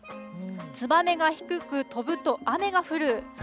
ツバメが低く飛ぶと雨が降る。